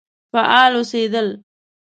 فعال اوسېدل.